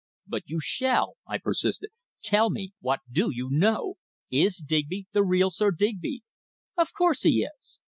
"But you shall!" I persisted. "Tell me what do you know? Is Digby the real Sir Digby?" "Of course he is!"